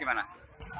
gak beda jauh sih